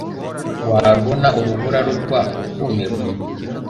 warubona urubura rugwa ukumirwa